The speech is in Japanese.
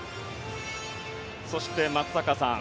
そして松坂さん